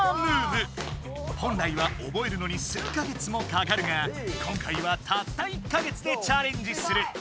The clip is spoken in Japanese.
本来はおぼえるのに数か月もかかるが今回はたった１か月でチャレンジする！